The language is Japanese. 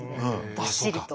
どっしりと。